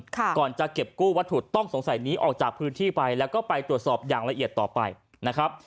ก่อนจะเก็บกู้วัตถุต้องสงสัยนี้ออกจากพื้นที่ไปแล้วก็ไปตรวจสอบอย่างละเอียดต่อไปนะครับ